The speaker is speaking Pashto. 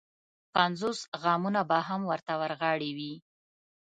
پنځوس غمونه به هم ورته ورغاړې وي.